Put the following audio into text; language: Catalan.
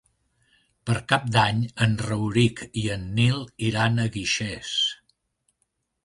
Per Cap d'Any en Rauric i en Nil iran a Guixers.